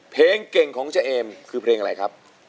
เพลงเก่งของเจเอมคือเพลงอะไรครับ